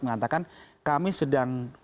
mengatakan kami sedang